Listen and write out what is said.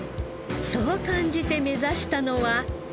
そう感じて目指したのは。